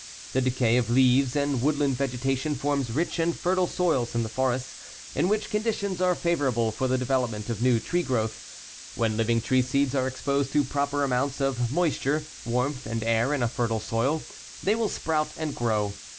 The decay of leaves and woodland vegetation forms rich and fertile soils in the forests, in which conditions are favorable for the development of new tree growth. When living tree seeds are exposed to proper amounts of moisture, warmth and air in a fertile soil, they will sprout and grow.